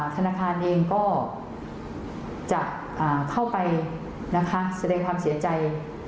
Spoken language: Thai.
ธนาคารเองก็จะเข้าไปนะคะแสดงความเสียใจ